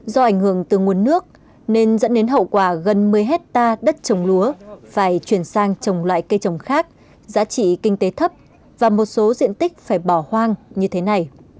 do ảnh hưởng từ nguồn nước nên dẫn đến hậu quả gần một mươi hectare đất trồng lúa phải chuyển sang trồng loại cây trồng khác giá trị kinh tế thấp và một số diện tích phải bỏ hoang như thế này